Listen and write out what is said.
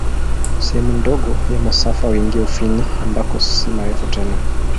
Sehemu ndogo ya masafa huingia Ufini, ambako si marefu tena.